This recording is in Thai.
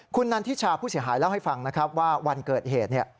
คุณนันทิชาผู้เสียหายเล่าให้ฟังนะครับว่าวันเกิดเหตุ